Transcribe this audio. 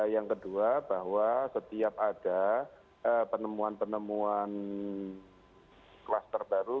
yang kedua bahwa setiap ada penemuan penemuan kluster baru